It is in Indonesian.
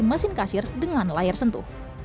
mesin kasir dengan layar sentuh